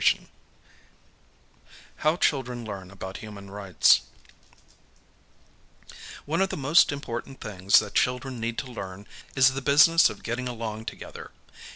i Hoiv Children Learn About Human Rights ONE OF THE most important things that children need to learn is the business of getting along together.